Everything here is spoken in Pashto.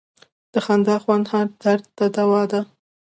د خندا خوند هر درد ته دوا ده.